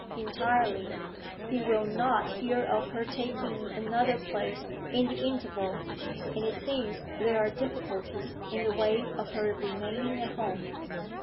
'Entirely. He will not hear of her taking another place in the interval, and it seems there are difficulties in the way of her remaining at home.